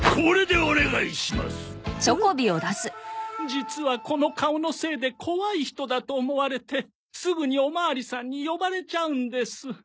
実はこの顔のせいで怖い人だと思われてすぐにおまわりさんに呼ばれちゃうんです。